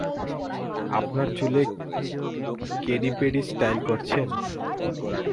আপনার চুলে Katie-paddy style করেছেন?